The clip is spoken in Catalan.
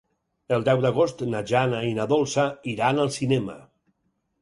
El deu d'agost na Jana i na Dolça iran al cinema.